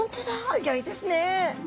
すギョいですね。